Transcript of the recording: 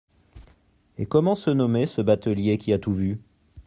Et comment se nommait ce batelier qui a tout vu ?